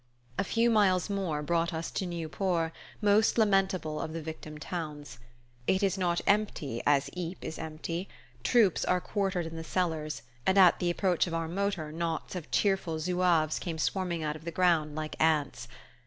A few miles more brought us to Nieuport, most lamentable of the victim towns. It is not empty as Ypres is empty: troops are quartered in the cellars, and at the approach of our motor knots of cheerful zouaves came swarming out of the ground like ants.